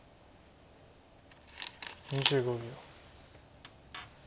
２５秒。